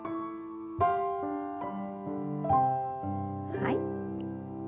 はい。